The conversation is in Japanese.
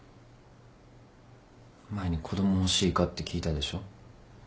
前に子供欲しいかって聞いたでしょ？